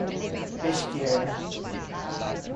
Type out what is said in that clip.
Pesqueira